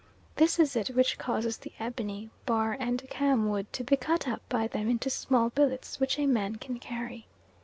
This it is which causes the ebony, bar, and cam wood to be cut up by them into small billets which a man can carry.